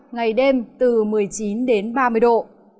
ngày đêm từ một mươi chín đến ba mươi độ